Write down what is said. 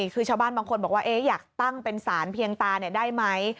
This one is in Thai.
คือชาวบ้านบางคนบอกว่าอยากตั้งเป็นสารเพียงตาได้ไหม